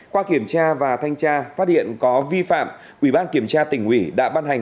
qua kiểm tra và thanh tra phát hiện có vi phạm ủy ban kiểm tra tỉnh ủy đã ban hành